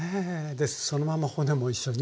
でそのまま骨も一緒に？